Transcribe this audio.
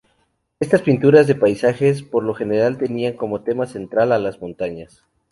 Estas pinturas de paisajes por lo general tenían como tema central a las montañas.